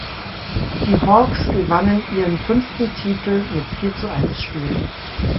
Die "Hawks" gewannen ihren fünften Titel mit vier zu eins Spielen.